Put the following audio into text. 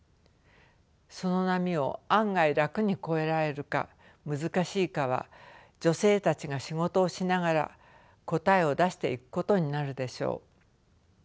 その波を案外楽に越えられるか難しいかは女性たちが仕事をしながら答えを出していくことになるでしょう。